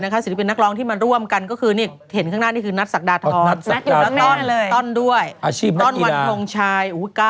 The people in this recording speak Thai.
วันนี้นะคะที่๑๙เนี่ย